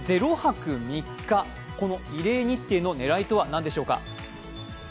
０泊３日、この異例日程の狙いとは何でしょうか？